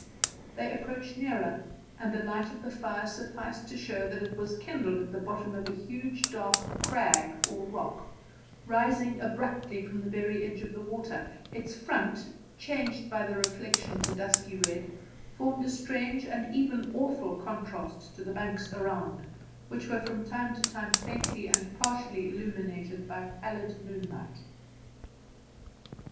They approached nearer, and the light of the fire sufficed to show that it was kindled at the bottom of a huge dark crag or rock, rising abruptly from the very edge of the water; its front, changed by the reflection to dusky red, formed a strange and even awful contrast to the banks around, which were from time to time faintly and partially illuminated by pallid moonlight.